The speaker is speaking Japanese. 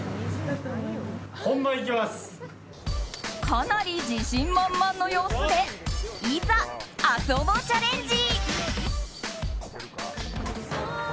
かなり自信満々の様子でいざ「ＡＳＯＢＯ」チャレンジ！